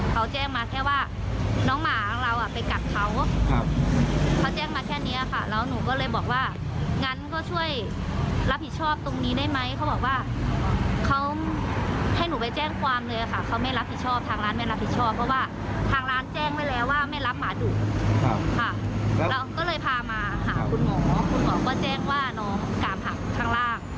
ค่ะเราก็เลยพามาหาคุณหมอคุณหมอก็แจ้งว่าน้องกรามหักทางล่าง